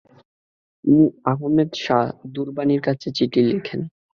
তিনি আহমেদ শাহ দুররানির কাছে চিঠি লেখেন।